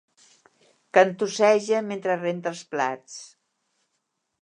Cantusseja mentre renta els plats.